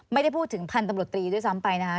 ไม่ได้พูดถึงพันธุ์ตำรวจตรีด้วยซ้ำไปนะคะ